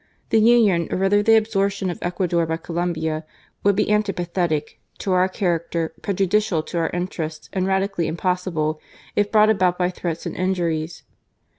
The union or rather the absorption of Ecuador by Colombia, would be antipathetic to our character, prejudicial to our interests, and radically impossible 142 GARCIA MORENO. if brought about by threats and injuries.